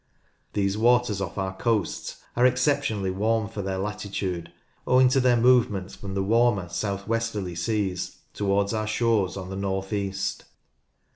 These waters ofF our coasts are exceptionally warm for their latitude, owing to their movement from the warmer CLIMATE «1 south westerly seas towards our shores on the north east.